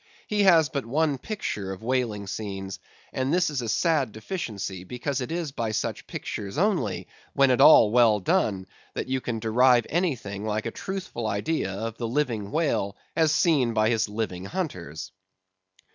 He has but one picture of whaling scenes, and this is a sad deficiency, because it is by such pictures only, when at all well done, that you can derive anything like a truthful idea of the living whale as seen by his living hunters.